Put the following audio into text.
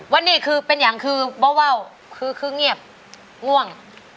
วันนี้คือเป็นอย่างคือว่าวว่าวคือคือเงียบง่วง